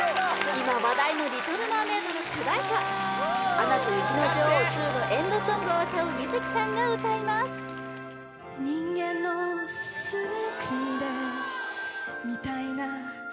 今話題の「リトル・マーメイド」の主題歌「アナと雪の女王２」のエンドソングを歌うＭｉｚｋｉさんが歌いますうめえな判定は？